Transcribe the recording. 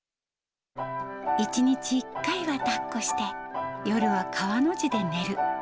一日一回はだっこして、夜は川の字で寝る。